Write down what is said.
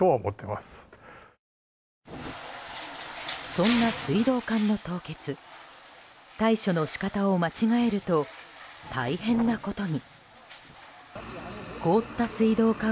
そんな水道管の凍結対処の仕方を間違えると大変なことに。